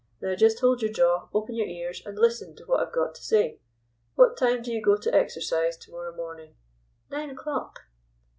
Now, just hold your jaw, open your ears, and listen to what I've got to say. What time do you go to exercise to morrow morning?" "Nine o'clock."